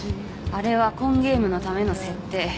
あれはコンゲームのための設定。